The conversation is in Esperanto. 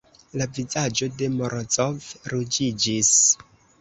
La vizaĝo de Morozov ruĝiĝis.